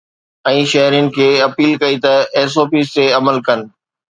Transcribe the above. ۽ شهرين کي اپيل ڪئي ته ايس او پيز تي عمل ڪن